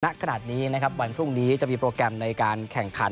วันพรุ่งนี้จะมีโปรแกรมในการแข่งขัน